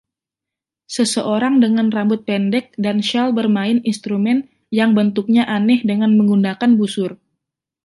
Seseorang dengan rambut pendek dan syal bermain instrumen yang bentuknya aneh dengan menggunakan busur